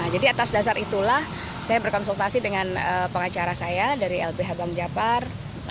jadi atas dasar itulah saya berkonsultasi dengan pengacara saya dari lbh bangjapar